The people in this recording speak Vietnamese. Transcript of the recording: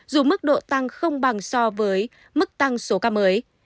dù mức độ tăng không bằng so với mức tăng số ca mới